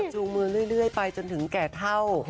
จูงมือเรื่อยไปจนถึงแก่เท่า